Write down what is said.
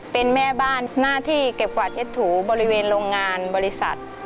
เป็นแม่บ้านหน้าที่เก็บกวาดเช็ดถูบริเวณโรงงานบริษัท